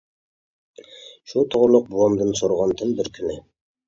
شۇ توغرىلىق بوۋامدىن، سورىغانتىم بىر كۈنى.